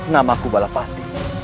nama aku balapati